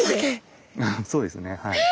そうですねはい。